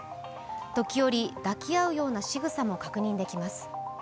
時折、抱き合うようなしぐさも確認できます。